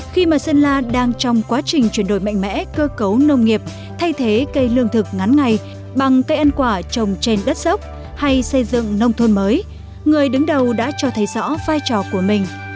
khi mà sơn la đang trong quá trình chuyển đổi mạnh mẽ cơ cấu nông nghiệp thay thế cây lương thực ngắn ngày bằng cây ăn quả trồng trên đất dốc hay xây dựng nông thôn mới người đứng đầu đã cho thấy rõ vai trò của mình